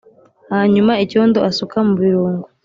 hanyuma icyondo asuka mu birungo,